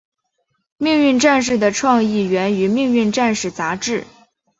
命运战士的创意源于命运战士杂志。